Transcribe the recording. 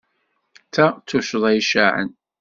Ta d tuccḍa icaɛen.